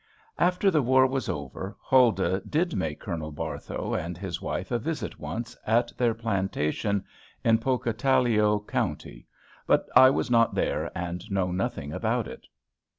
After the war was over, Huldah did make Colonel Barthow and his wife a visit once, at their plantation in Pocataligo County; but I was not there, and know nothing about it.